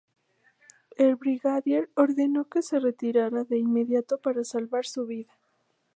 El Brigadier ordenó que se retirara de inmediato para salvar su vida.